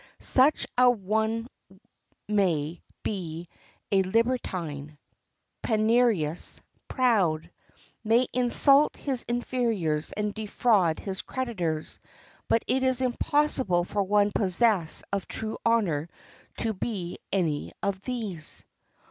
Such a one may be a libertine, penurious, proud—may insult his inferiors and defraud his creditors—but it is impossible for one possessed of true honor to be any of these.